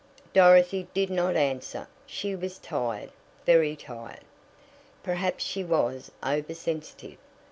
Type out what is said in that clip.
Dorothy did not answer. She was tired very tired. Perhaps she was over sensitive.